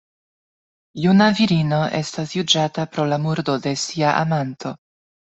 Juna virino estas juĝata pro la murdo de sia amanto.